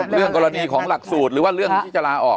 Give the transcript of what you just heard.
เรื่องกรณีของหลักสูตรหรือว่าเรื่องที่จะลาออก